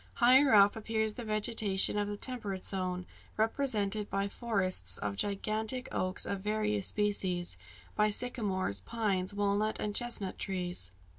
Higher up appears the vegetation of the temperate zone, represented by forests of gigantic oaks of various species, by sycamores, pines, walnut, and chestnut trees.